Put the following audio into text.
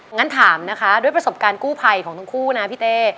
งั้นถามนะคะด้วยประสบการณ์กู้ภัยของทั้งคู่นะพี่เต้